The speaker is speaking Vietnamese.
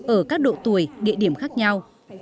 ở các độ tuổi địa điểm khác nhau